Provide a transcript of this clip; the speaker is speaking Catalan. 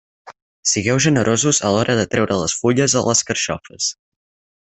Sigueu generosos a l'hora de treure les fulles a les carxofes.